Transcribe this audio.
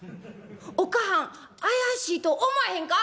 お母はん怪しいと思わへんか？」。